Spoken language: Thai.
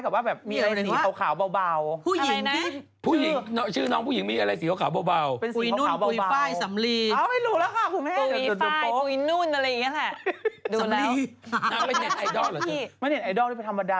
ก็แบบชื่อน้องเขาก็เป็นคล้ายกับว่ามีอะไรสีขาวเบา